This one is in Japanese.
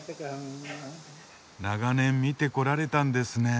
長年見てこられたんですねえ。